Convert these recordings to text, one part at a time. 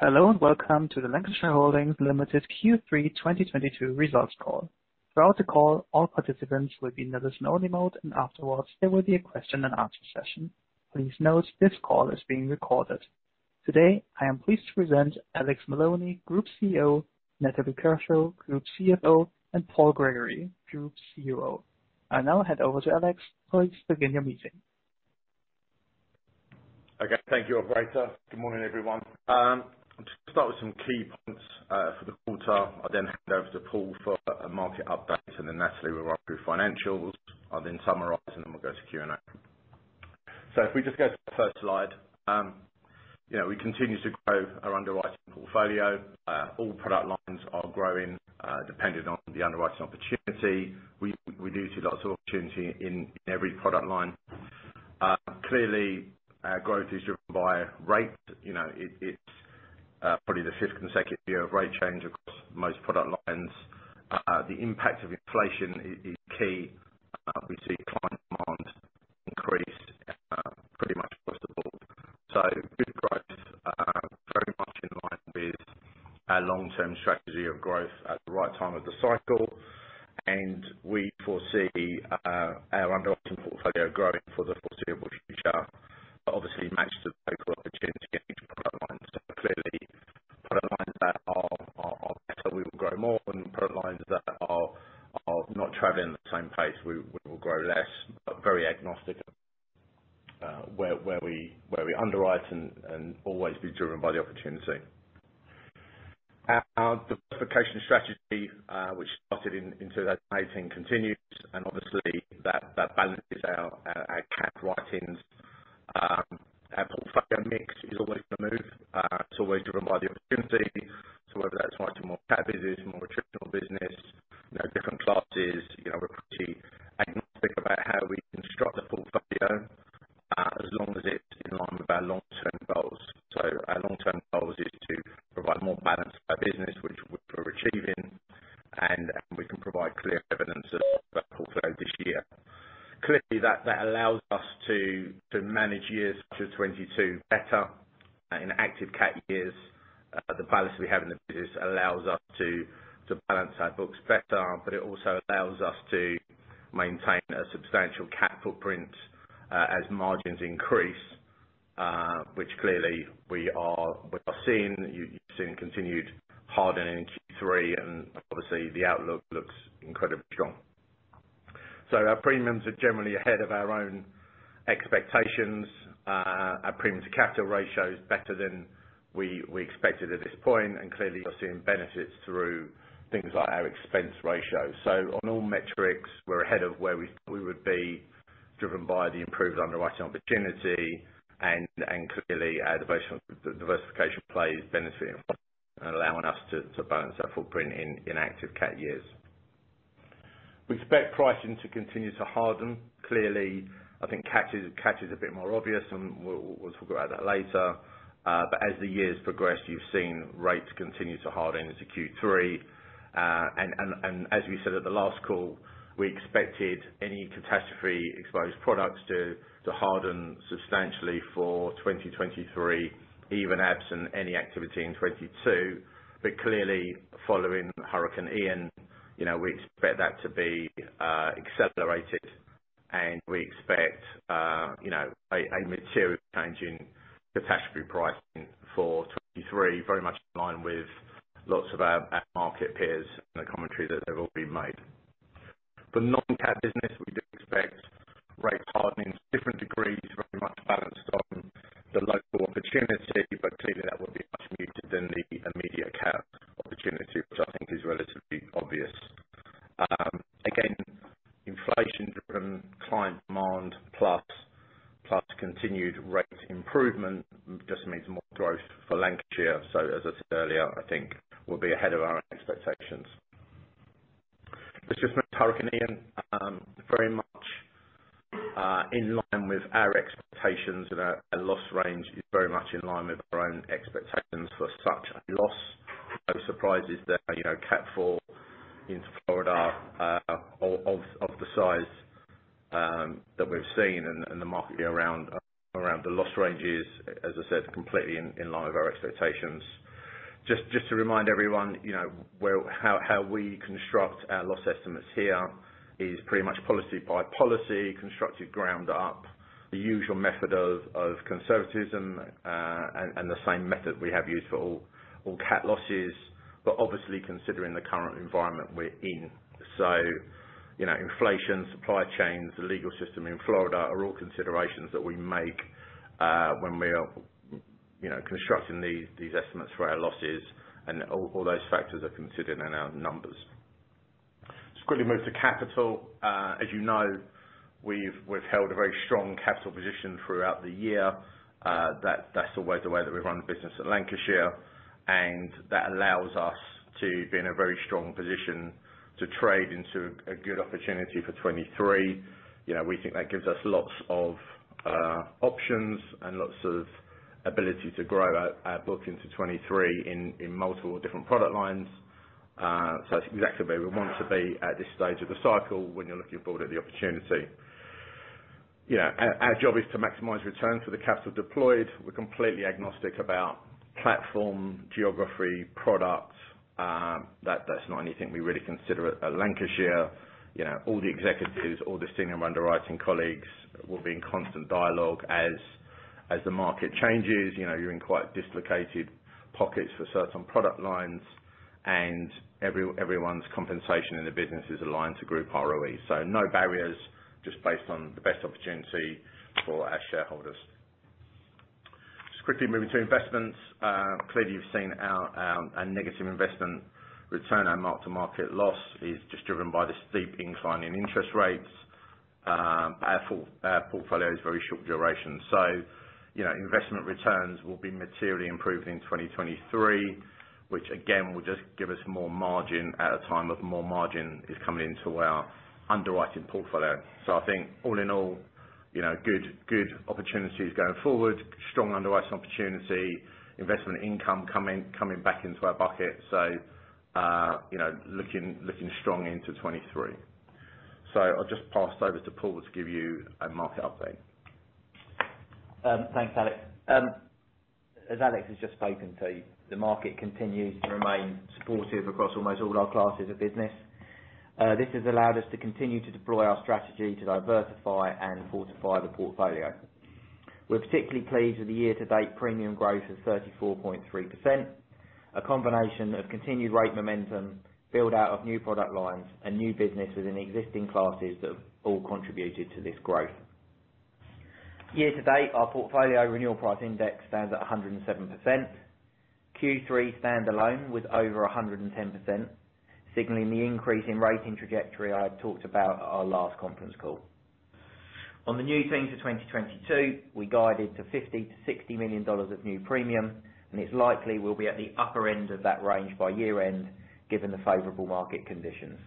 Hello and welcome to the Lancashire Holdings Limited Q3 2022 results call. Throughout the call, all participants will be in listen only mode, and afterwards there will be a question-and-answer session. Please note this call is being recorded. Today, I am pleased to present Alex Maloney, Group CEO, Natalie Kershaw, Group CFO, and Paul Gregory, Group CUO. I now hand over to Alex. Please begin your meeting. Okay. Thank you, operator. Good morning, everyone. I'll just start with some key points for the quarter. I'll then hand over to Paul for a market update, and then Natalie will run through financials. I'll then summarize, and then we'll go to Q&A. If we just go to the first slide, you know, we continue to grow our underwriting portfolio. All product lines are growing, dependent on the underwriting opportunity. We do see lots of opportunity in every product line. Clearly our growth is driven by rate, you know, it's probably the fifth consecutive year of rate change across most product lines. The impact of inflation is key. We see client demand increase pretty much across the board. Good growth, very much in line with our long-term strategy of growth at the right time of the cycle. We foresee our underwriting portfolio growing for the foreseeable future, obviously matched with local opportunity in each product line. Clearly product lines that are better, we will grow more than product lines that are not traveling the same pace, we will grow less. Very agnostic, where we underwrite and always be driven by the opportunity. Our diversification strategy, which started in 2018 continues, and things like our expense ratio. On all metrics, we're ahead of where we would be driven by the improved underwriting opportunity and clearly our diversification play is benefiting and allowing us to balance that footprint in active cat years. We expect pricing to continue to harden. Clearly, I think cat is a bit more obvious and we'll talk about that later. As the years progress, you've seen rates continue to harden into Q3. As we said at the last call, we expected any catastrophe exposed products to harden substantially for 2023, even absent any activity in 2022. Clearly following Hurricane Ian, you know, we expect that to be accelerated. We expect, you know, a material change in catastrophe pricing for 2023, very much in line with lots of our market peers and the commentary that have already been made. For non-cat business, we do expect rate hardening to different degrees, very much balanced on the local opportunity, but clearly that will be much muted than the immediate cat opportunity, which I think is relatively obvious. Again, inflation driven client demand plus continued rate improvement just means more growth for Lancashire. As I said earlier, I think we'll be ahead of our own expectations. As just with Hurricane Ian, very much in line with our expectations. Our loss range is very much in line with our own expectations for such a loss. No surprises there. You know, Cat 4 into Florida, of the size that we've seen and the market around the loss ranges, as I said, completely in line with our expectations. Just to remind everyone, you know, how we construct our loss estimates here is pretty much policy by policy, constructed ground up, the usual method of conservatism, and the same method we have used for all cat losses, but obviously considering the current environment we're in. You know, inflation, supply chains, the legal system in Florida are all considerations that we make when we are, you know, constructing these estimates for our losses. All those factors are considered in our numbers. Let's quickly move to capital. As you know, we've held a very strong capital position throughout the year. That's always the way that we run the business at Lancashire, and that allows us to be in a very strong position to trade into a good opportunity for 2023. You know, we think that gives us lots of options and lots of ability to grow our book into 2023 in multiple different product lines. That's exactly where we want to be at this stage of the cycle when you're looking forward at the opportunity. You know, our job is to maximize return for the capital deployed. We're completely agnostic about platform, geography, product, that's not anything we really consider at Lancashire. You know, all the executives, all the senior underwriting colleagues will be in constant dialogue as the market changes. You know, you're in quite dislocated pockets for certain product lines and everyone's compensation in the business is aligned to group ROE. No barriers, just based on the best opportunity for our shareholders. Just quickly moving to investments. Clearly you've seen our a negative investment return. Our mark-to-market loss is just driven by the steep incline in interest rates. Our portfolio is very short duration. You know, investment returns will be materially improved in 2023, which again, will just give us more margin at a time of more margin is coming into our underwriting portfolio. I think all in all, you know, good opportunities going forward. Strong underwriting opportunity, investment income coming back into our bucket. You know, looking strong into 2023. I'll just pass over to Paul to give you a market update. Thanks, Alex. As Alex has just spoken to, the market continues to remain supportive across almost all our classes of business. This has allowed us to continue to deploy our strategy to diversify and fortify the portfolio. We're particularly pleased with the year-to-date premium growth of 34.3%. A combination of continued rate momentum, build out of new product lines and new businesses in existing classes have all contributed to this growth. Year-to-date, our portfolio renewal price index stands at 107%. Q3 standalone was over 110%, signaling the increase in rating trajectory I had talked about at our last conference call. On the new things for 2022, we guided to $50 million-$60 million of new premium, and it's likely we'll be at the upper end of that range by year-end, given the favorable market conditions.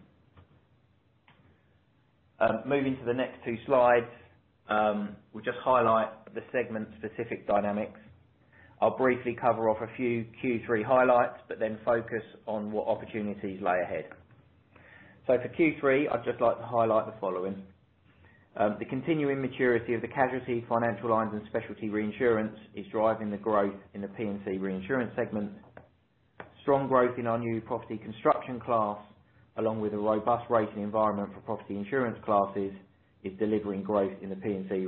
Moving to the next two slides, we'll just highlight the segment-specific dynamics. I'll briefly cover off a few Q3 highlights but then focus on what opportunities lie ahead. For Q3, I'd just like to highlight the following. The continuing maturity of the casualty financial lines and specialty reinsurance is driving the growth in the P&C reinsurance segment. Strong growth in our new property construction class, along with a robust rating environment for property insurance classes, is delivering growth in the P&C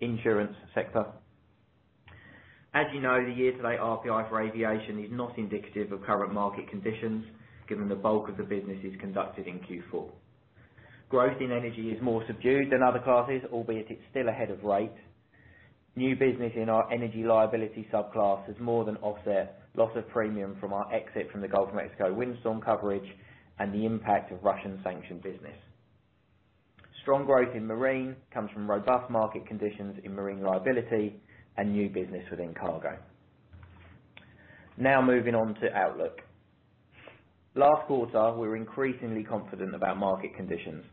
insurance sector. As you know, the year-to-date RPI for aviation is not indicative of current market conditions, given the bulk of the business is conducted in Q4. Growth in energy is more subdued than other classes, albeit it's still ahead of rate. New business in our energy liability subclass has more than offset loss of premium from our exit from the Gulf of Mexico windstorm coverage and the impact of Russian sanctions business. Strong growth in marine comes from robust market conditions in marine liability and new business within cargo. Now moving on to outlook. Last quarter, we were increasingly confident about market conditions.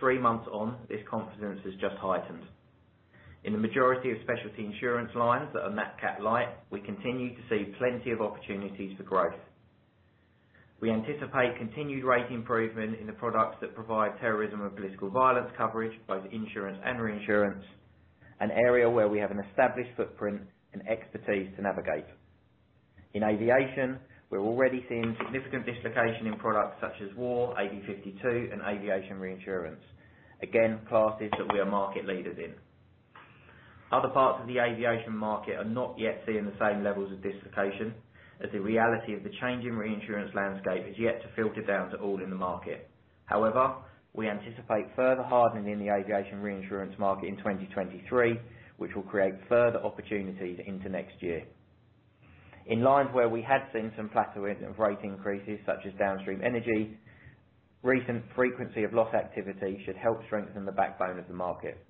Three months on, this confidence has just heightened. In the majority of specialty insurance lines that are nat-cat light, we continue to see plenty of opportunities for growth. We anticipate continued rate improvement in the products that provide terrorism and political violence coverage, both insurance and reinsurance, an area where we have an established footprint and expertise to navigate. In aviation, we're already seeing significant dislocation in products such as war, AV52 and aviation reinsurance. Again, classes that we are market leaders in. Other parts of the aviation market are not yet seeing the same levels of dislocation, as the reality of the changing reinsurance landscape has yet to filter down to all in the market. However, we anticipate further hardening in the aviation reinsurance market in 2023, which will create further opportunities into next year. In lines where we had seen some plateauing of rate increases, such as downstream energy, recent frequency of loss activity should help strengthen the backbone of the market.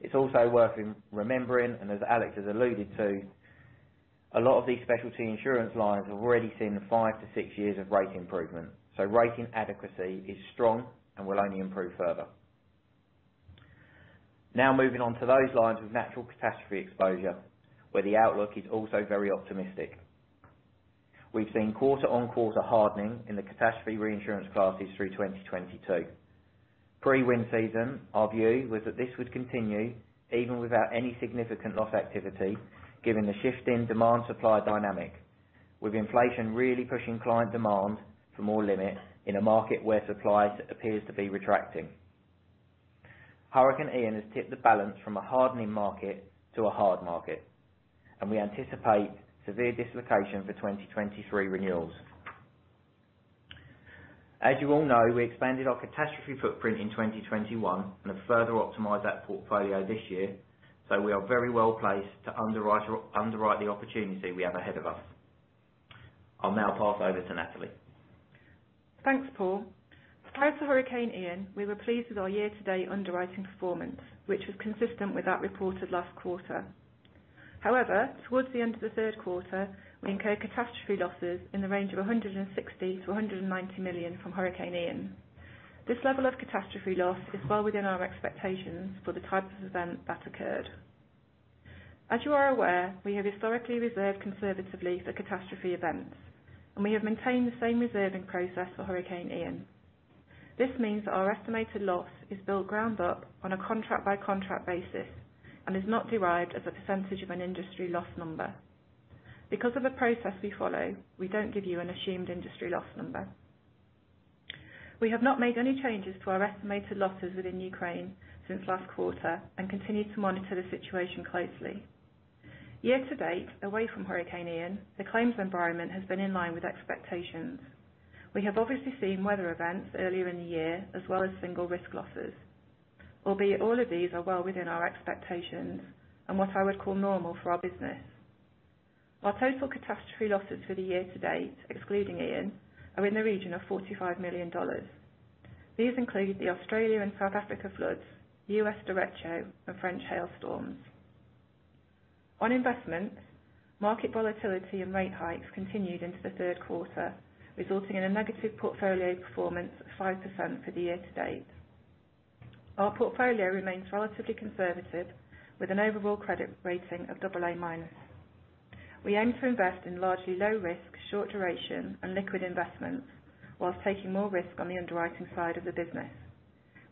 It's also worth re-remembering, and as Alex has alluded to, a lot of these specialty insurance lines have already seen the five to six years of rate improvement. Rating adequacy is strong and will only improve further. Now moving on to those lines of natural catastrophe exposure, where the outlook is also very optimistic. We've seen quarter-on-quarter hardening in the catastrophe reinsurance classes through 2022. Pre-wind season, our view was that this would continue even without any significant loss activity, given the shift in demand supply dynamic. With inflation really pushing client demand for more limit in a market where supply appears to be retracting. Hurricane Ian has tipped the balance from a hardening market to a hard market, and we anticipate severe dislocation for 2023 renewals. As you all know, we expanded our catastrophe footprint in 2021 and have further optimized that portfolio this year, so we are very well placed to underwrite the opportunity we have ahead of us. I'll now pass over to Natalie. Thanks, Paul. Prior to Hurricane Ian, we were pleased with our year-to-date underwriting performance, which was consistent with that reported last quarter. However, towards the end of the third quarter, we incurred catastrophe losses in the range of $160 million-$190 million from Hurricane Ian. This level of catastrophe loss is well within our expectations for the type of event that occurred. As you are aware, we have historically reserved conservatively for catastrophe events, and we have maintained the same reserving process for Hurricane Ian. This means that our estimated loss is built ground up on a contract by contract basis and is not derived as a percentage of an industry loss number. Because of the process we follow, we don't give you an assumed industry loss number. We have not made any changes to our estimated losses within Ukraine since last quarter and continue to monitor the situation closely. Year-to-date, away from Hurricane Ian, the claims environment has been in line with expectations. We have obviously seen weather events earlier in the year as well as single risk losses, albeit all of these are well within our expectations and what I would call normal for our business. Our total catastrophe losses for the year-to-date, excluding Ian, are in the region of $45 million. These include the Australia and South Africa floods, U.S. derecho, and French hailstorms. On investments, market volatility and rate hikes continued into the third quarter, resulting in a negative portfolio performance of 5% for the year-to-date. Our portfolio remains relatively conservative with an overall credit rating of AA-. We aim to invest in largely low risk, short duration and liquid investments while taking more risk on the underwriting side of the business.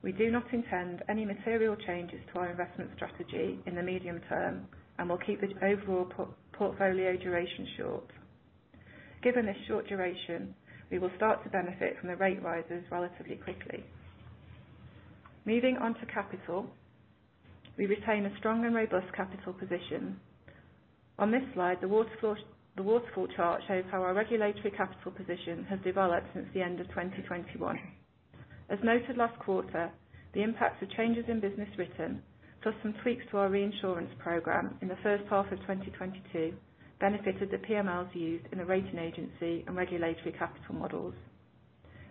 We do not intend any material changes to our investment strategy in the medium term, and we'll keep the overall portfolio duration short. Given this short duration, we will start to benefit from the rate rises relatively quickly. Moving on to capital, we retain a strong and robust capital position. On this slide, the waterfall chart shows how our regulatory capital position has developed since the end of 2021. As noted last quarter, the impacts of changes in business written, plus some tweaks to our reinsurance program in the first half of 2022, benefited the PMLs used in the rating agency and regulatory capital models.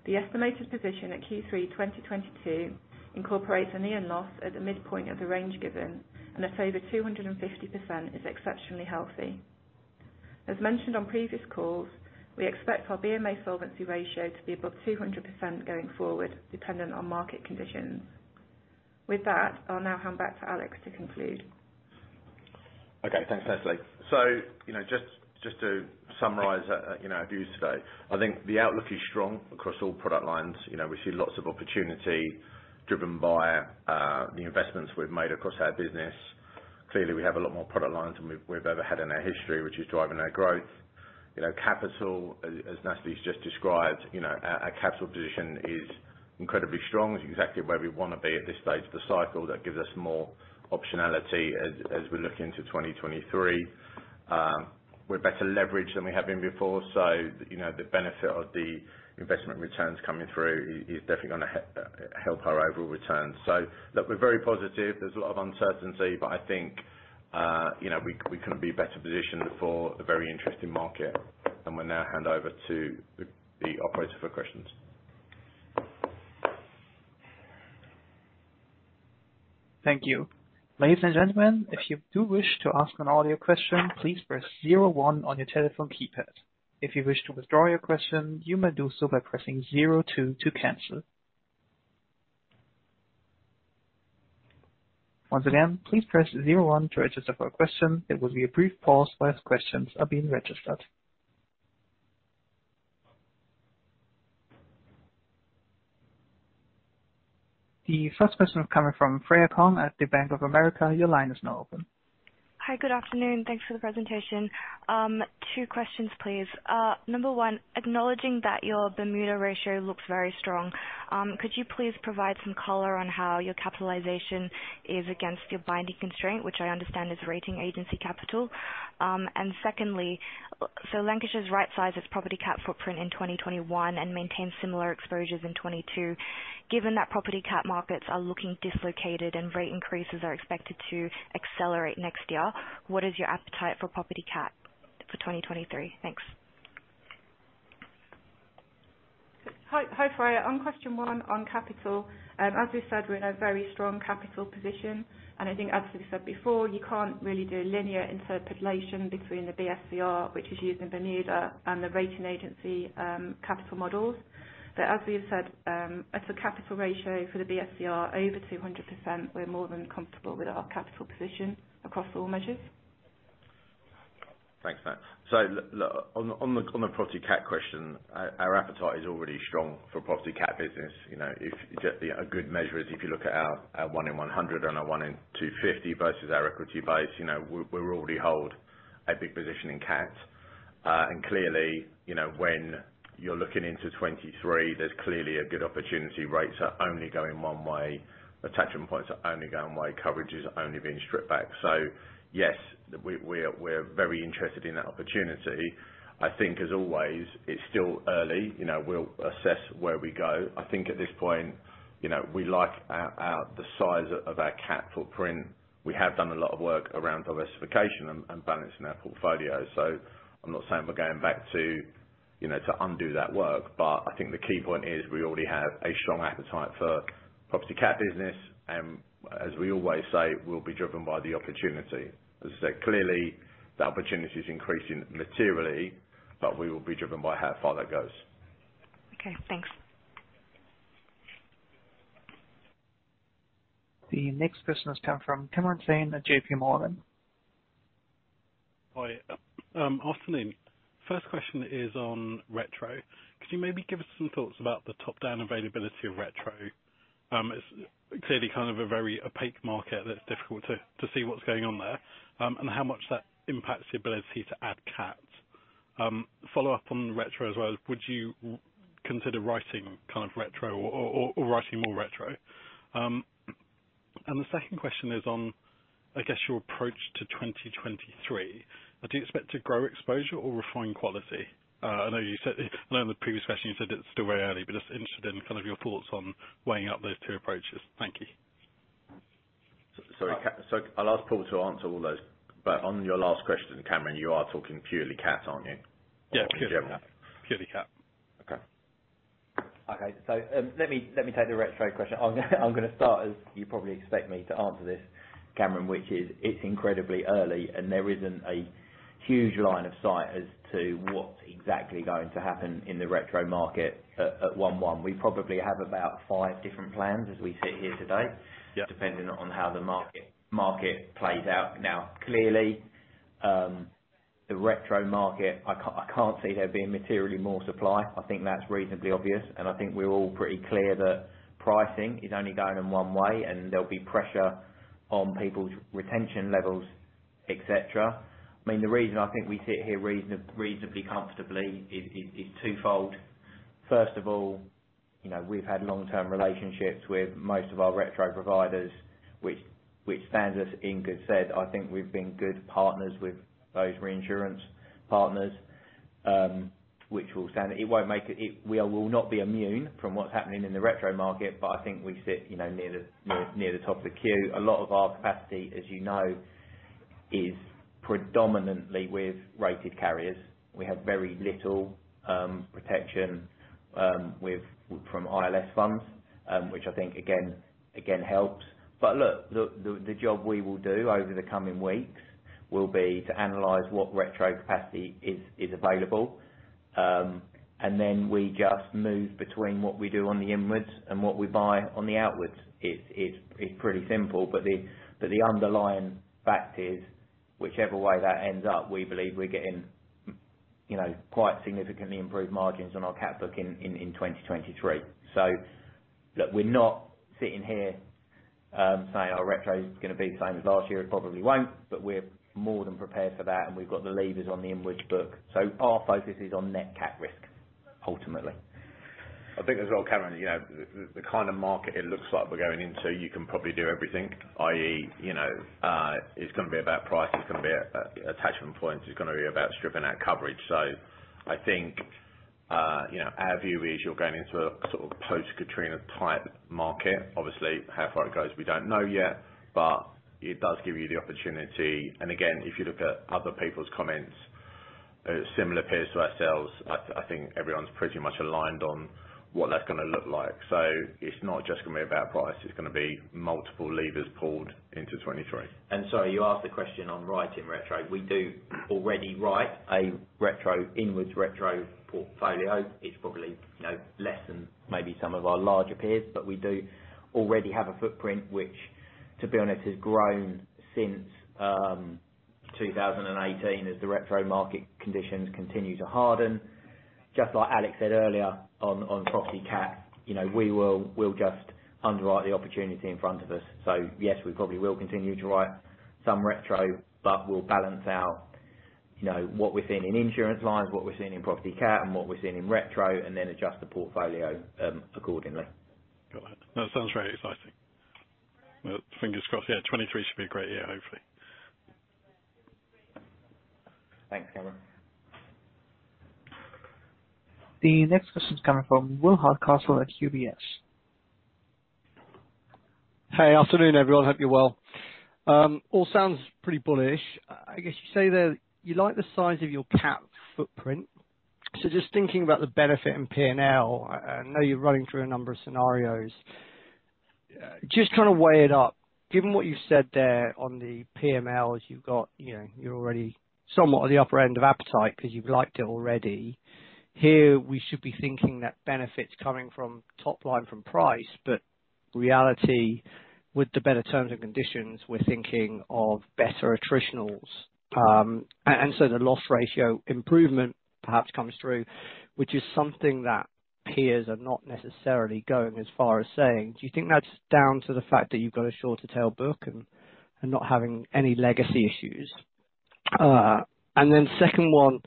The estimated position at Q3 2022 incorporates a Hurricane Ian loss at the midpoint of the range given and after 250% is exceptionally healthy. As mentioned on previous calls, we expect our BMA solvency ratio to be above 200% going forward, dependent on market conditions. With that, I'll now hand back to Alex to conclude. Okay, thanks, Natalie. You know, just to summarize, you know, our views today. I think the outlook is strong across all product lines. You know, we see lots of opportunity driven by the investments we've made across our business. Clearly, we have a lot more product lines than we've ever had in our history, which is driving our growth. You know, capital, as Natalie's just described, you know, our capital position is incredibly strong. It's exactly where we wanna be at this stage of the cycle. That gives us more optionality as we look into 2023. We're better leveraged than we have been before. You know, the benefit of the investment returns coming through is definitely gonna help our overall returns. Look, we're very positive. There's a lot of uncertainty, but I think, you know, we couldn't be better positioned for a very interesting market. We'll now hand over to the operator for questions. Thank you. Ladies and gentlemen, if you do wish to ask an audio question, please press zero one on your telephone keypad. If you wish to withdraw your question, you may do so by pressing zero two to cancel. Once again, please press zero one to register for a question. There will be a brief pause while questions are being registered. The first question will come from Freya Kong at the Bank of America. Your line is now open. Hi. Good afternoon. Thanks for the presentation. Two questions, please. Number one, acknowledging that your Bermuda ratio looks very strong, could you please provide some color on how your capitalization is against your binding constraint, which I understand is rating agency capital? Secondly, Lancashire's right-sized its property cat footprint in 2021 and maintained similar exposures in 2022. Given that property cat markets are looking dislocated and rate increases are expected to accelerate next year, what is your appetite for property cat for 2023? Thanks. Hi, Freya. On question one on capital, as we said, we're in a very strong capital position. I think as we said before, you can't really do linear interpolation between the BSCR, which is used in Bermuda and the rating agency, capital models. As we have said, at a capital ratio for the BSCR over 200%, we're more than comfortable with our capital position across all measures. Thanks for that. On the property cat question, our appetite is already strong for property cat business. You know, a good measure is if you look at our one in 100 and our one in 250 versus our equity base, you know, we already hold a big position in cat. Clearly, you know, when you're looking into 2023, there's clearly a good opportunity. Rates are only going one way. Attachment points are only going one way. Coverages are only being stripped back. Yes, we're very interested in that opportunity. I think as always, it's still early. You know, we'll assess where we go. I think at this point, you know, we like the size of our cat footprint. We have done a lot of work around diversification and balancing our portfolio. I'm not saying we're going back to, you know, to undo that work. I think the key point is we already have a strong appetite for property cat business. As we always say, we'll be driven by the opportunity. As I said, clearly the opportunity is increasing materially, but we will be driven by how far that goes. Okay, thanks. The next question has come from Kamran Hossain at JPMorgan. Hi. Afternoon. First question is on retro. Could you maybe give us some thoughts about the top down availability of retro? It's clearly kind of a very opaque market that's difficult to see what's going on there, and how much that impacts the ability to add cats. Follow up on retro as well. Would you consider writing kind of retro or writing more retro? The second question is on, I guess, your approach to 2023. Do you expect to grow exposure or refine quality? I know in the previous question you said it's still very early, but just interested in kind of your thoughts on weighing up those two approaches. Thank you. Sorry. I'll ask Paul to answer all those, but on your last question, Kamran, you are talking purely cat, aren't you? Yeah, purely cat. Purely cat. Okay. Okay. Let me take the retro question. I'm gonna start, as you probably expect me to answer this, Kamran, which is, it's incredibly early, and there isn't a huge line of sight as to what's exactly going to happen in the retro market at 1/1. We probably have about five different plans as we sit here today- Yeah Depending on how the market plays out. Now, clearly, the retro market, I can't see there being materially more supply. I think that's reasonably obvious, and I think we're all pretty clear that pricing is only going in one way and there'll be pressure on people's retention levels, et cetera. I mean, the reason I think we sit here reasonably comfortably is twofold. First of all, you know, we've had long-term relationships with most of our retro providers, which stands us in good stead. I think we've been good partners with those reinsurance partners, which will stand us in good stead. We will not be immune from what's happening in the retro market, but I think we sit, you know, near the top of the queue. A lot of our capacity, as you know, is predominantly with rated carriers. We have very little protection from ILS funds, which I think again helps. Look, the job we will do over the coming weeks will be to analyze what retro capacity is available. We just move between what we do on the inwards and what we buy on the outwards. It's pretty simple, but the underlying fact is whichever way that ends up, we believe we're getting, you know, quite significantly improved margins on our cat book in 2023. Look, we're not sitting here saying our retro is gonna be the same as last year. It probably won't, but we're more than prepared for that, and we've got the levers on the inward book. Our focus is on net cat risk, ultimately. I think as well, Kamran, you know, the kind of market it looks like we're going into, you can probably do everything, i.e., you know, it's gonna be about price, it's gonna be attachment points, it's gonna be about stripping out coverage. I think, you know, our view is you're going into a sort of post-Katrina type market. Obviously, how far it goes, we don't know yet, but it does give you the opportunity. Again, if you look at other people's comments, similar peers to ourselves, I think everyone's pretty much aligned on what that's gonna look like. It's not just gonna be about price, it's gonna be multiple levers pulled into 2023. Sorry, you asked the question on writing retro. We do already write a retro, inwards retro portfolio. It's probably, you know, less than maybe some of our larger peers, but we do already have a footprint which, to be honest, has grown since 2018 as the retro market conditions continue to harden. Just like Alex said earlier on property cat, you know, we'll just underwrite the opportunity in front of us. Yes, we probably will continue to write some retro, but we'll balance out, you know, what we're seeing in insurance lines, what we're seeing in property cat and what we're seeing in retro and then adjust the portfolio accordingly. Got it. No, it sounds very exciting. Well, fingers crossed. Yeah, 2023 should be a great year, hopefully. Thanks, Kamran. The next question is coming from Will Hardcastle at UBS. Hey. Afternoon, everyone. Hope you're well. All sounds pretty bullish. I guess you say that you like the size of your cat footprint. Just thinking about the benefit in P&L, I know you're running through a number of scenarios. Just trying to weigh it up, given what you've said there on the PMLs, you've got, you know, you're already somewhat at the upper end of appetite 'cause you've liked it already. Here, we should be thinking that benefits coming from top line from price, but reality with the better terms and conditions, we're thinking of better attritionals. And so, the loss ratio improvement perhaps comes through, which is something that peers are not necessarily going as far as saying. Do you think that's down to the fact that you've got a shorter tail book and not having any legacy issues? Second one,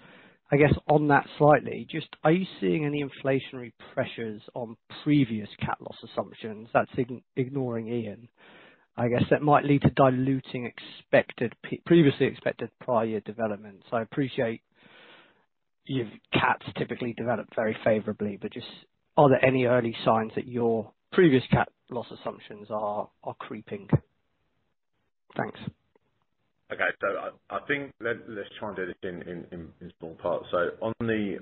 I guess on that slightly, just are you seeing any inflationary pressures on previous cat loss assumptions, that's ignoring Ian, I guess that might lead to diluting expected previously expected prior developments? I appreciate your cats typically develop very favorably, but just are there any early signs that your previous cat loss assumptions are creeping? Thanks. Okay. I think let's try and do this in small parts. On the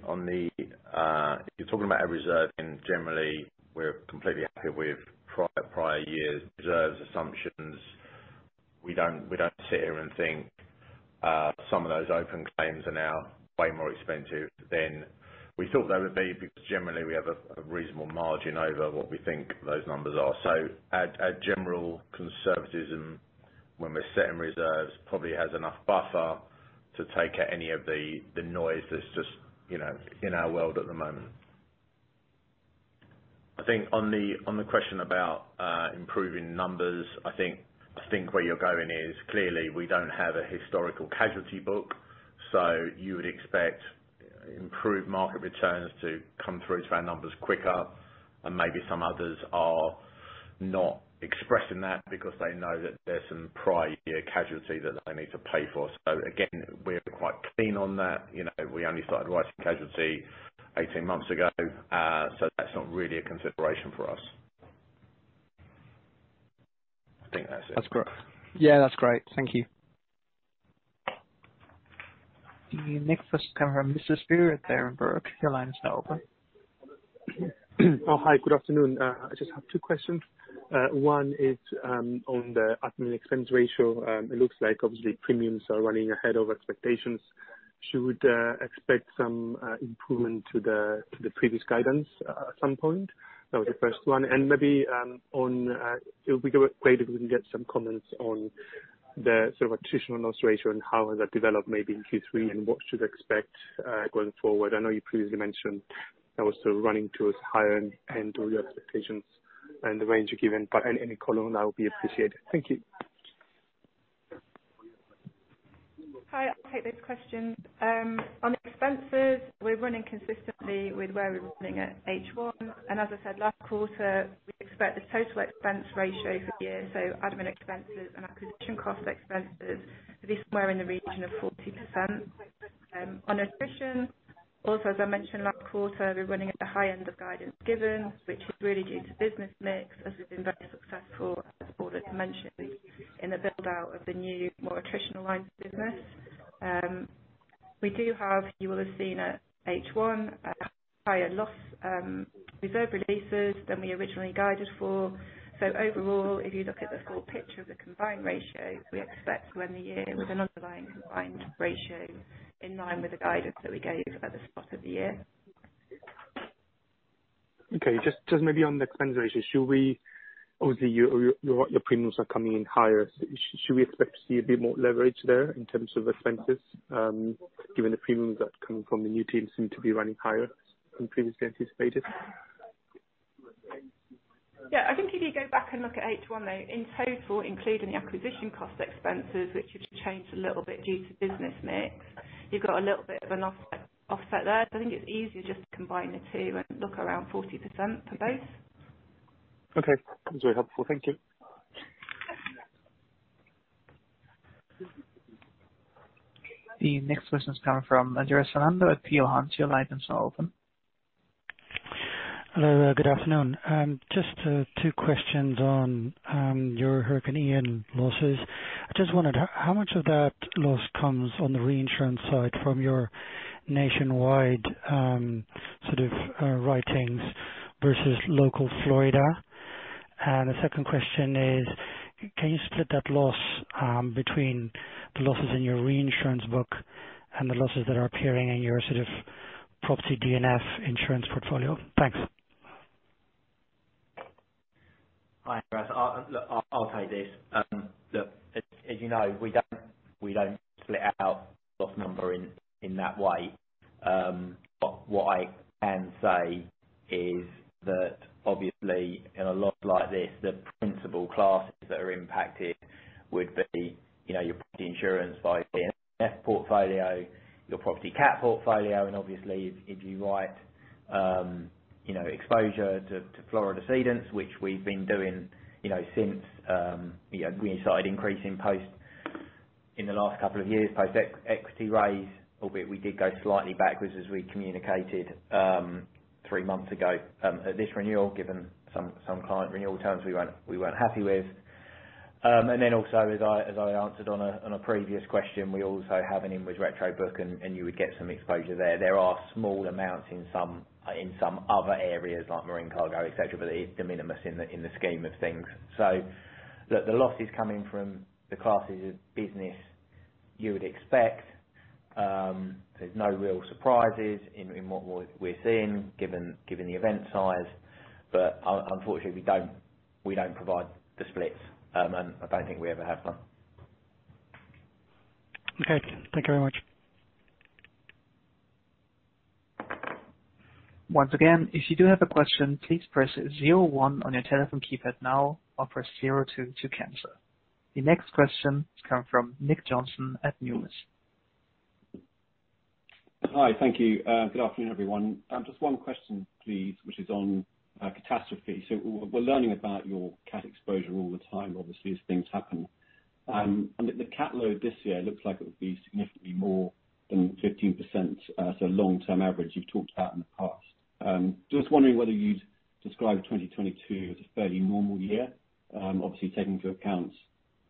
you're talking about our reserve, and generally we're completely happy with prior year's reserves assumptions. We don't sit here and think some of those open claims are now way more expensive than we thought they would be because generally we have a reasonable margin over what we think those numbers are. Our general conservatism when we're setting reserves probably has enough buffer to take out any of the noise that's just, you know, in our world at the moment. I think on the question about improving numbers. I think where you're going is clearly we don't have a historical casualty book, so you would expect improved market returns to come through to our numbers quicker, and maybe some others are not expressing that because they know that there's some prior year casualty that they need to pay for. Again, we're quite clean on that. You know, we only started writing casualty 18 months ago. That's not really a consideration for us. I think that's it. That's great. Yeah, that's great. Thank you. The next question come from Mr. [Trygve Thorenberg]. Your line is now open. Good afternoon. I just have two questions. One is on the admin expense ratio. It looks like obviously premiums are running ahead of expectations. Should expect some improvement to the previous guidance at some point? That was the first one. Maybe it would be great if we can get some comments on the sort of attritional loss ratio and how has that developed maybe in Q3 and what should expect going forward. I know you previously mentioned that was sort of running towards higher end of your expectations and the range given, but any color on that would be appreciated. Thank you. Hi, I'll take those questions. On expenses, we're running consistently with where we were running at H1, and as I said last quarter, we expect the total expense ratio for the year, so admin expenses and acquisition cost expenses, to be somewhere in the region of 40%. On attrition, also as I mentioned last quarter, we're running at the high end of guidance given, which is really due to business mix, as we've been very successful supporter to mentioned, in the build out of the new more attritional lines of business. We do have, you will have seen at H1, higher loss reserve releases than we originally guided for. Overall, if you look at the full picture of the combined ratio, we expect to end the year with an underlying combined ratio in line with the guidance that we gave at the start of the year. Okay. Just maybe on the expense ratio, should we? Obviously, your premiums are coming in higher. Should we expect to see a bit more leverage there in terms of expenses, given the premiums that come from the new teams seem to be running higher than previously anticipated? Yeah. I think if you go back and look at H1, though, in total, including the acquisition cost expenses which have changed a little bit due to business mix, you've got a little bit of an offset there. I think it's easier just to combine the two and look around 40% for both. Okay. That's very helpful. Thank you. The next question is coming from Andreas van Embden at Peel Hunt. Your line is now open. Hello. Good afternoon. Just two questions on your Hurricane Ian losses. I just wondered how much of that loss comes on the reinsurance side from your nationwide sort of writings versus local Florida? The second question is, can you split that loss between the losses in your reinsurance book and the losses that are appearing in your sort of property D&F insurance portfolio? Thanks. Hi, Andreas. I'll take this. As you know, we don't split out loss number in that way. What I can say is that obviously in a loss like this, the principal classes that are impacted would be, you know, our property insurance via D&F portfolio, our property cat portfolio, and obviously if we write, you know, exposure to Florida cedents, which we've been doing, you know, since we started increasing position in the last couple of years, post equity raise, albeit we did go slightly backwards as we communicated three months ago at this renewal, given some client renewal terms we weren't happy with. As I answered on a previous question, we also have an inwards retro book and you would get some exposure there. There are small amounts in some other areas like marine cargo, et cetera, but it's de minimis in the scheme of things. Look, the losses coming from the classes of business you would expect. There's no real surprises in what we're seeing given the event size. Unfortunately, we don't provide the splits. I don't think we ever have done. Okay. Thank you very much. Once again, if you do have a question, please press zero one on your telephone keypad now or press zero two to cancel. The next question comes from Nick Johnson at Numis. Hi. Thank you. Good afternoon, everyone. Just one question please, which is on catastrophe. We're learning about your cat exposure all the time, obviously, as things happen. The cat load this year looks like it will be significantly more than 15%, so long-term average you've talked about in the past. Just wondering whether you'd describe 2022 as a fairly normal year, obviously taking into account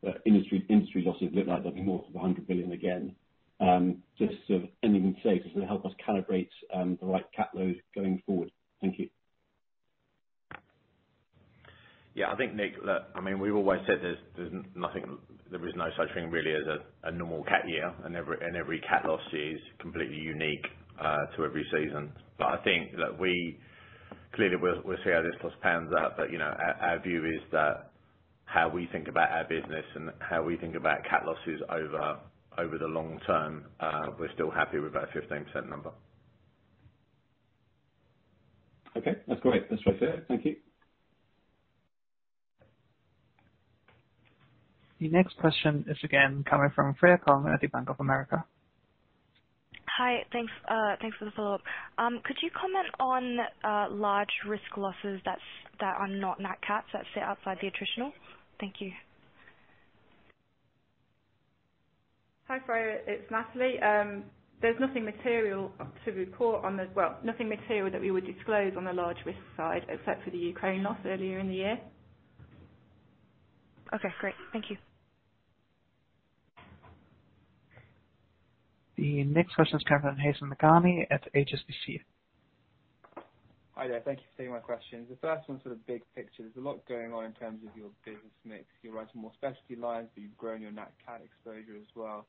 that industry losses look like they'll be more than $100 billion again. Just sort of anything you can say just to help us calibrate the right cat load going forward. Thank you. Yeah, I think, Nick, look, I mean, we've always said there's no such thing really as a normal cat year, and every cat loss is completely unique to every season. I think that we clearly will see how this loss pans out. You know, our view is that how we think about our business and how we think about cat losses over the long term, we're still happy with that 15% number. Okay, that's great. That's what I said. Thank you. The next question is again coming from Freya Kong at Bank of America. Hi. Thanks for the follow-up. Could you comment on large risk losses that are not nat-cats that sit outside the attritional? Thank you. Hi, Freya, it's Natalie. Well, nothing material that we would disclose on the large risk side, except for the Ukraine loss earlier in the year. Okay, great. Thank you. The next question is coming from Faizan Lakhani at HSBC. Hi there. Thank you for taking my questions. The first one's sort of big picture. There's a lot going on in terms of your business mix. You're writing more specialty lines, but you've grown your nat-cat exposure as well.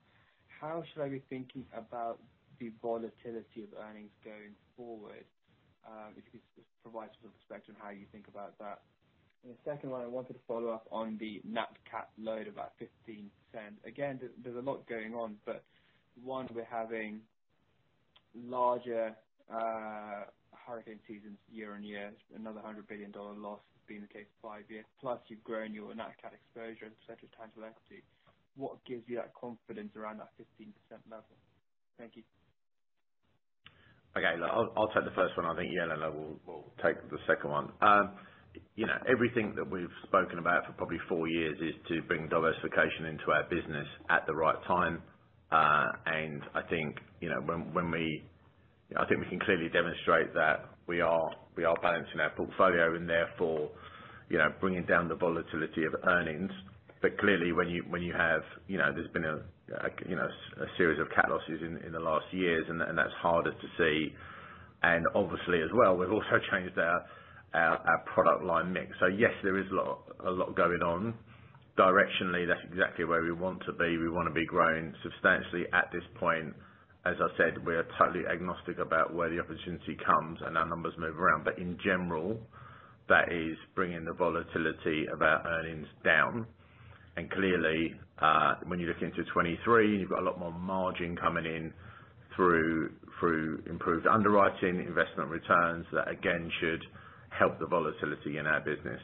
How should I be thinking about the volatility of earnings going forward? If you could just provide sort of a perspective on how you think about that. The second one, I wanted to follow up on the nat-cat load of about 15%. Again, there's a lot going on, but one, we're having larger hurricane seasons year-over-year. Another $100 billion loss every five years. Plus you've grown your nat-cat exposure as a percentage of tangible equity. What gives you that confidence around that 15% level? Thank you. Okay. Look, I'll take the first one. I think Natalie Kershaw will take the second one. You know, everything that we've spoken about for probably four years is to bring diversification into our business at the right time. I think we can clearly demonstrate that we are balancing our portfolio and therefore, you know, bringing down the volatility of earnings. Clearly, when you have, you know, a series of cat losses in the last years and that's harder to see. Obviously as well, we've also changed our product line mix. Yes, there is a lot going on. Directionally, that's exactly where we want to be. We wanna be growing substantially at this point. As I said, we are totally agnostic about where the opportunity comes and our numbers move around. In general, that is bringing the volatility of our earnings down. Clearly, when you look into 2023, you've got a lot more margin coming in through improved underwriting investment returns, that again should help the volatility in our business.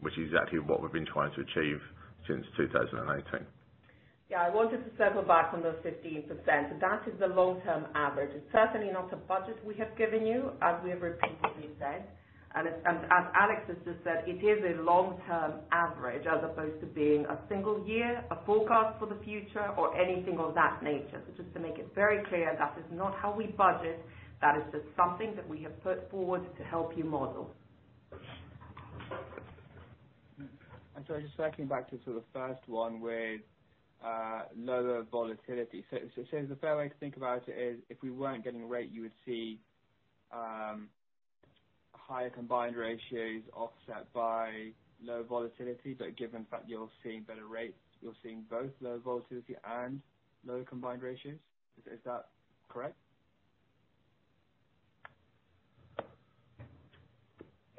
Which is exactly what we've been trying to achieve since 2018. Yeah, I wanted to circle back on those 15%. That is the long-term average. It's certainly not a budget we have given you, as we have repeatedly said. As Alex has just said, it is a long-term average, as opposed to being a single year, a forecast for the future, or anything of that nature. Just to make it very clear, that is not how we budget. That is just something that we have put forward to help you model. Just circling back to sort of first one with lower volatility. The fair way to think about it is if we weren't getting rate, you would see higher combined ratios offset by low volatility. Given the fact you're seeing better rates, you're seeing both low volatility and low combined ratios. Is that correct?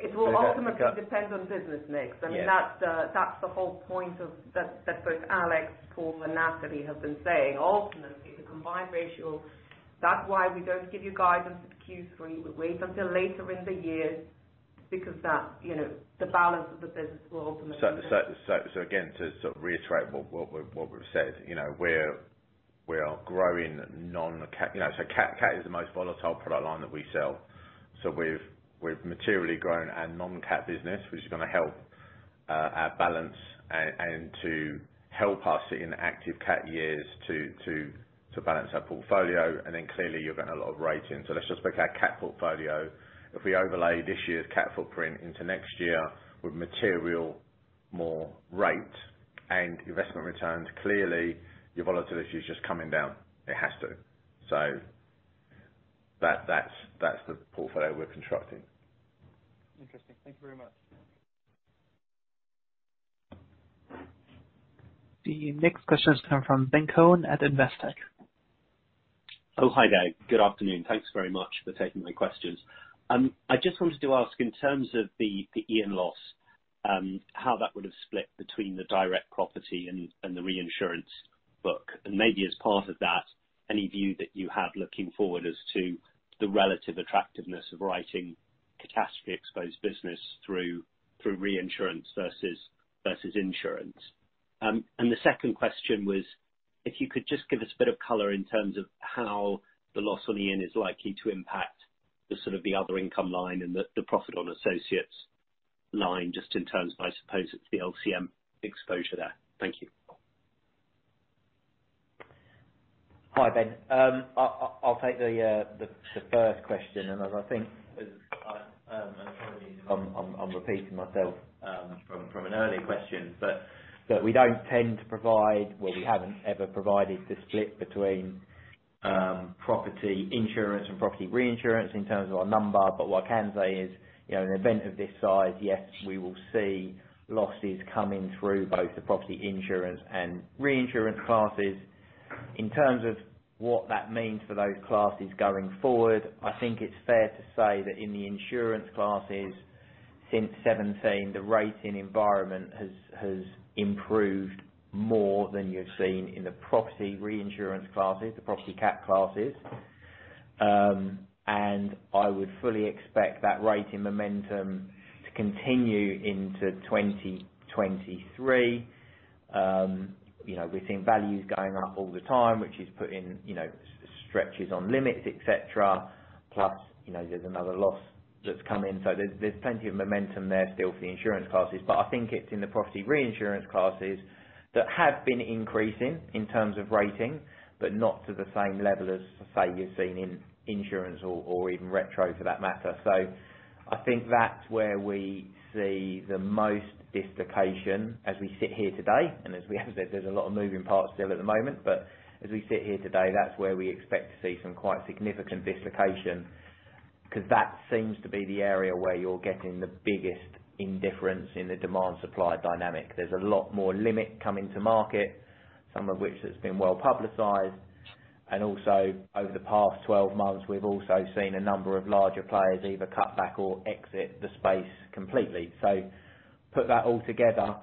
It will ultimately depend on business mix. Yeah. I mean, that's the whole point of that both Alex, Paul, and Natalie have been saying. Ultimately, the combined ratio, that's why we don't give you guidance at Q3. We wait until later in the year because that's, you know, the balance of the business will ultimately. Again, to sort of reiterate what we've said, you know, we are growing non-cat. You know, cat is the most volatile product line that we sell. We've materially grown our non-cat business, which is gonna help our balance and to help us in active cat years to balance our portfolio. Clearly you're getting a lot of rating. Let's just look at our cat portfolio. If we overlay this year's cat footprint into next year with material more rate and investment returns, clearly your volatility is just coming down. It has to. That's the portfolio we're constructing. Interesting. Thank you very much. The next question is coming from Ben Cohen at Investec. Oh, hi there. Good afternoon. Thanks very much for taking my questions. I just wanted to ask in terms of the Ian loss, how that would have split between the direct property and the reinsurance book. Maybe as part of that, any view that you have looking forward as to the relative attractiveness of writing catastrophe exposed business through reinsurance versus insurance. The second question was if you could just give us a bit of color in terms of how the loss on Ian is likely to impact the sort of the other income line and the profit on associates line, just in terms of, I suppose it's the LCM exposure there. Thank you. Hi, Ben. I'll take the first question. As I think, I'm sorry, I'm repeating myself. From an earlier question, but we don't tend to provide, well, we haven't ever provided the split between property insurance and property reinsurance in terms of our number, but what I can say is, you know, an event of this size, yes, we will see losses coming through both the property insurance and reinsurance classes. In terms of what that means for those classes going forward, I think it's fair to say that in the insurance classes since 2017, the rating environment has improved more than you've seen in the property reinsurance classes, the property cat classes. I would fully expect that rating momentum to continue into 2023. You know, we're seeing values going up all the time, which is putting, you know, stretches on limits, et cetera. Plus, you know, there's another loss that's come in. There's plenty of momentum there still for the insurance classes. I think it's in the property reinsurance classes that have been increasing in terms of rating, but not to the same level as, say, what you're seeing in insurance or even retro for that matter. I think that's where we see the most dislocation as we sit here today. As we have said, there's a lot of moving parts still at the moment. As we sit here today, that's where we expect to see some quite significant dislocation, because that seems to be the area where you're getting the biggest difference in the demand supply dynamic. There's a lot more limit coming to market, some of which has been well publicized. Also over the past 12 months, we've also seen a number of larger players either cut back or exit the space completely. Put that all together.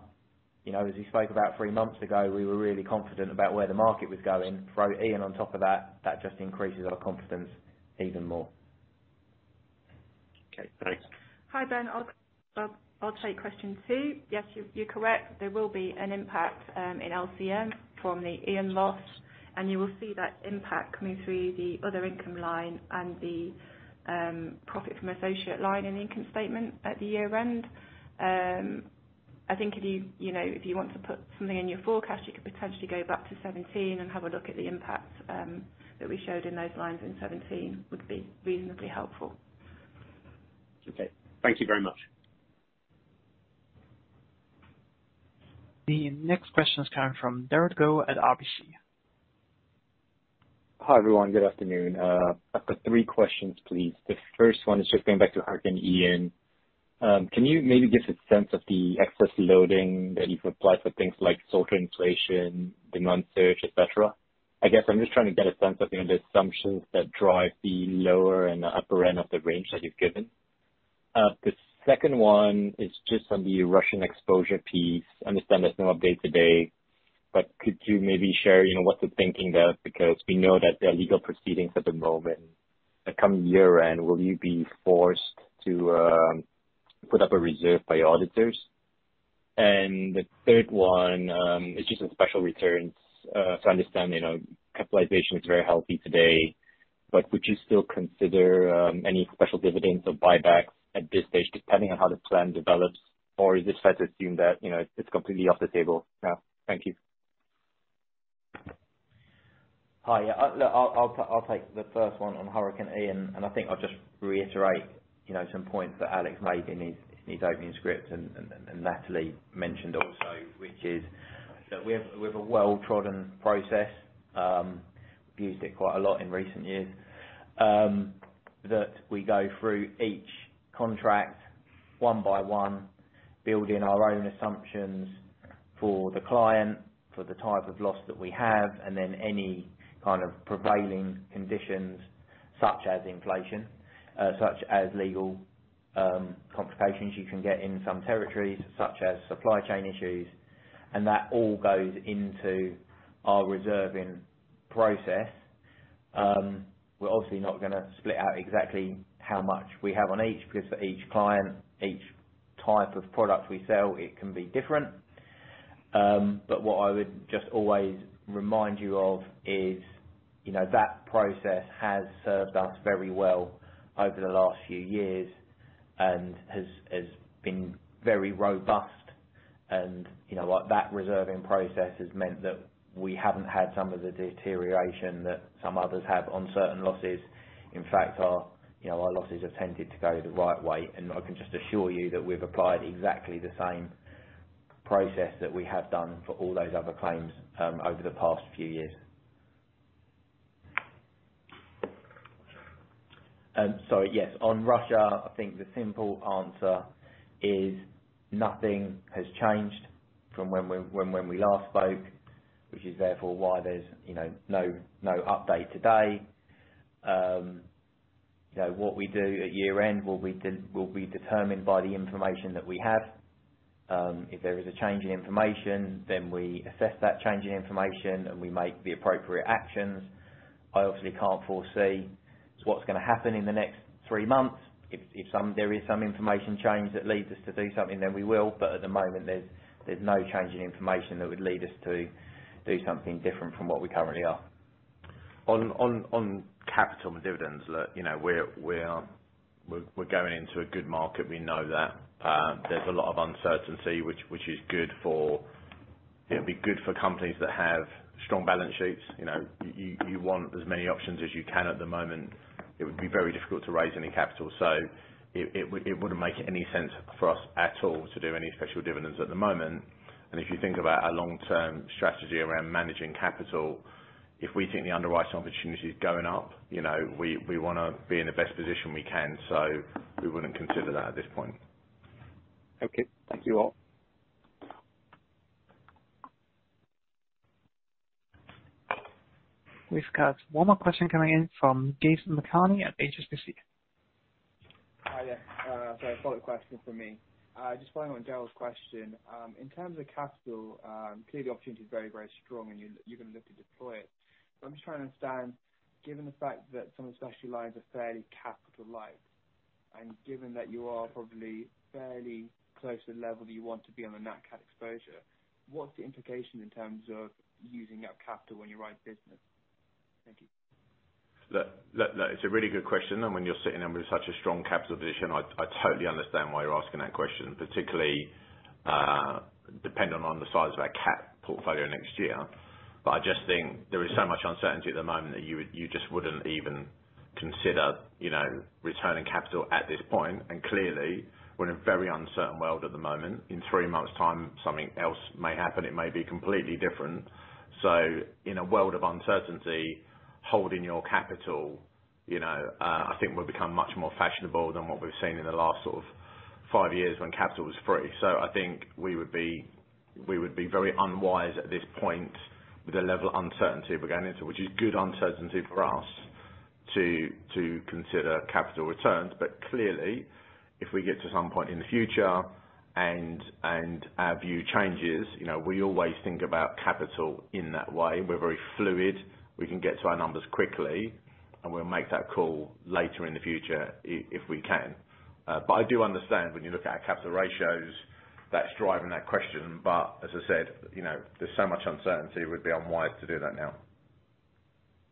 You know, as we spoke about three months ago, we were really confident about where the market was going. Throw Ian on top of that just increases our confidence even more. Okay, thanks. Hi, Ben. I'll take question two. Yes, you're correct. There will be an impact in LCM from the Ian loss, and you will see that impact coming through the other income line and the profit from associate line in the income statement at the year end. I think if you know, if you want to put something in your forecast, you could potentially go back to 2017 and have a look at the impact that we showed in those lines in 2017 would be reasonably helpful. Okay. Thank you very much. The next question is coming from Derald Goh at RBC. Hi, everyone. Good afternoon. I've got three questions, please. The first one is just going back to Hurricane Ian. Can you maybe give a sense of the excess loading that you've applied for things like social inflation, demand surge, et cetera? I guess I'm just trying to get a sense of, you know, the assumptions that drive the lower and the upper end of the range that you've given. The second one is just on the Russian exposure piece. I understand there's no update today, but could you maybe share, you know, what the thinking there, because we know that there are legal proceedings at the moment. At coming year end, will you be forced to put up a reserve by your auditors? The third one is just on special returns. I understand, you know, capitalization is very healthy today, but would you still consider any special dividends or buybacks at this stage, depending on how the plan develops? Or is it fair to assume that, you know, it's completely off the table now? Thank you. Hi. Yeah, I'll take the first one on Hurricane Ian. I think I'll just reiterate, you know, some points that Alex made in his opening script and Natalie mentioned also, which is that we have a well-trodden process. We've used it quite a lot in recent years. We go through each contract one by one, build in our own assumptions for the client, for the type of loss that we have, and then any kind of prevailing conditions such as inflation, such as legal complications you can get in some territories, such as supply chain issues, and that all goes into our reserving process. We're obviously not gonna split out exactly how much we have on each, because for each client, each type of product we sell, it can be different. What I would just always remind you of is, you know, that process has served us very well over the last few years and has been very robust. You know, like, that reserving process has meant that we haven't had some of the deterioration that some others have on certain losses. In fact, our, you know, our losses have tended to go the right way. I can just assure you that we've applied exactly the same process that we have done for all those other claims over the past few years. Yes, on Russia, I think the simple answer is nothing has changed from when we last spoke, which is therefore why there's, you know, no update today. You know, what we do at year end will be determined by the information that we have. If there is a change in information, then we assess that change in information, and we make the appropriate actions. I obviously can't foresee what's gonna happen in the next three months. If there is some information change that leads us to do something, then we will. At the moment, there's no change in information that would lead us to do something different from what we currently are. On capital and dividends, look, you know, we're going into a good market. We know that. There's a lot of uncertainty, which is good for companies that have strong balance sheets. You know, you want as many options as you can at the moment. It would be very difficult to raise any capital. It wouldn't make any sense for us at all to do any special dividends at the moment. If you think about our long-term strategy around managing capital, if we think the underwriting opportunity is going up, you know, we wanna be in the best position we can. We wouldn't consider that at this point. Okay. Thank you all. We've got one more question coming in from Faizan Lakhani at HSBC. Hi. Yeah. A follow-up question from me. Just following on Derald's question. In terms of capital, clearly the opportunity is very, very strong and you're gonna look to deploy it. But I'm just trying to understand, given the fact that some of the specialty lines are fairly capital light, and given that you are probably fairly close to the level you want to be on the net cat exposure, what's the implication in terms of using up capital when you write business? Thank you. Look, it's a really good question. When you're sitting in with such a strong capital position, I totally understand why you're asking that question, particularly dependent on the size of our cat portfolio next year. I just think there is so much uncertainty at the moment that you just wouldn't even consider, you know, returning capital at this point. Clearly, we're in a very uncertain world at the moment. In three months time, something else may happen. It may be completely different. In a world of uncertainty, holding your capital, you know, I think will become much more fashionable than what we've seen in the last sort of five years when capital was free. I think we would be very unwise at this point with the level of uncertainty we're going into, which is good uncertainty for us to consider capital returns. Clearly, if we get to some point in the future and our view changes, you know, we always think about capital in that way. We're very fluid. We can get to our numbers quickly, and we'll make that call later in the future if we can. I do understand when you look at our capital ratios, that's driving that question. As I said, you know, there's so much uncertainty it would be unwise to do that now.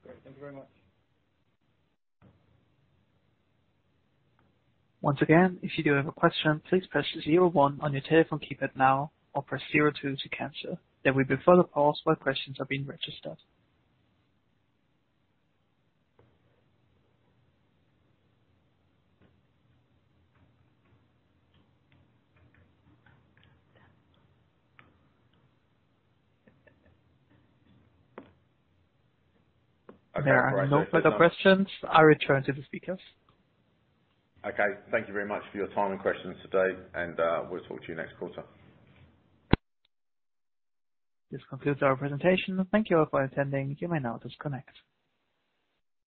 Great. Thank you very much. Once again, if you do have a question, please press zero-one on your telephone keypad now or press zero-two to cancel. There will be further pause while questions are being registered. There are no further questions. I return to the speakers. Okay. Thank you very much for your time and questions today, and we'll talk to you next quarter. This concludes our presentation. Thank you all for attending. You may now disconnect.